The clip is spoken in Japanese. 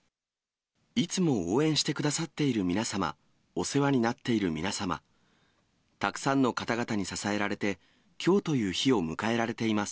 いつも応援してくださっている皆様、お世話になっている皆様、たくさんの方々に支えられて、きょうという日を迎えられています。